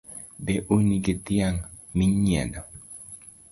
Be un gi dhiang' minyiedho?